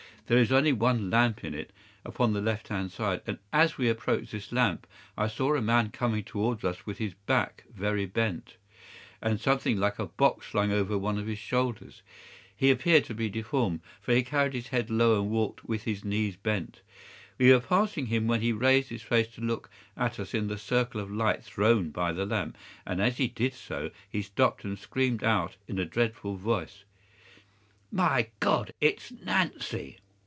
There is only one lamp in it, upon the left hand side, and as we approached this lamp I saw a man coming towards us with his back very bent, and something like a box slung over one of his shoulders. He appeared to be deformed, for he carried his head low and walked with his knees bent. We were passing him when he raised his face to look at us in the circle of light thrown by the lamp, and as he did so he stopped and screamed out in a dreadful voice, "My God, it's Nancy!"